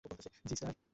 জ্বি, স্যার।